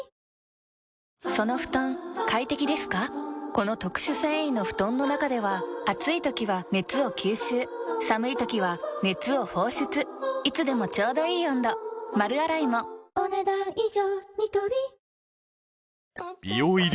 この特殊繊維の布団の中では暑い時は熱を吸収寒い時は熱を放出いつでもちょうどいい温度丸洗いもお、ねだん以上。